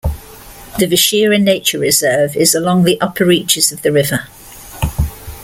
The Vishera Nature Reserve is along the upper reaches of the river.